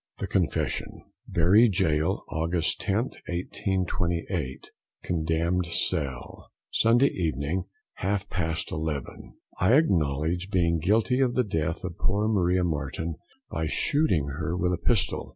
THE CONFESSION. "Bury Gaol, August 10th, 1828. Condemned cell. "Sunday evening, half past Eleven. "I acknowledge being guilty of the death of poor Maria Marten, by shooting her with a pistol.